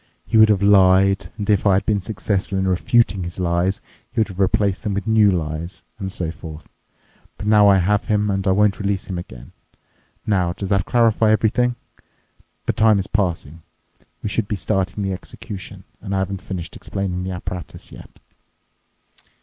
He would have lied, and if I had been successful in refuting his lies, he would have replaced them with new lies, and so forth. But now I have him, and I won't release him again. Now, does that clarify everything? But time is passing. We should be starting the execution, and I haven't finished explaining the apparatus yet."